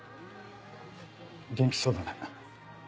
元気そうだね。